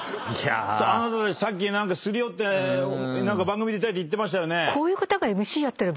あなたたちさっきすり寄って番組出たいって言ってましたよね？